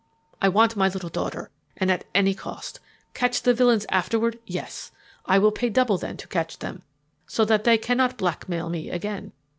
I want my little daughter and at any cost. Catch the villains afterward yes. I will pay double then to catch them so that they cannot blackmail me again.